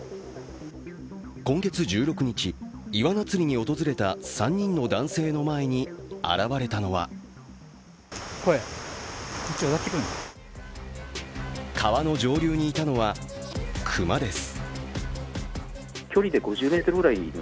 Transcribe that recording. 今月１６日、イワナ釣りに訪れた３人の男性の前に現れたのは川の上流にいたのは熊です。